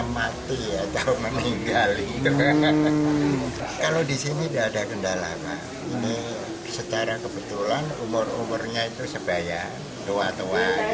saling mengisi pengalaman pengetahuan mengisi ilmu